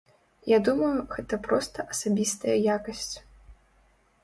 Я думаю, гэта проста асабістая якасць.